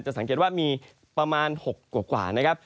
สังเกตว่ามีประมาณ๖กว่านะครับ